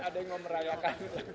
ada yang mau merayakan